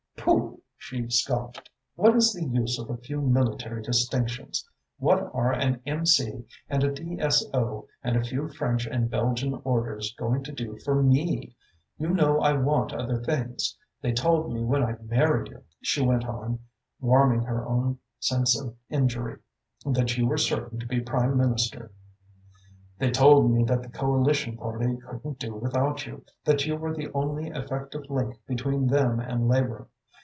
"Pooh!" she scoffed. "What is the use of a few military distinctions? What are an M.C. and a D.S.O. and a few French and Belgian orders going to do for me? You know I want other things. They told me when I married you," she went on, warming with her own sense of injury, "that you were certain to be Prime Minister. They told me that the Coalition Party couldn't do without you, that you were the only effective link between them and Labour.